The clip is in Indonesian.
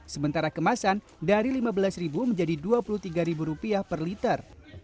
sementara kemasan dari rp lima belas menjadi rp dua puluh tiga per liter